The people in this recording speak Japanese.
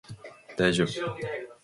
大丈夫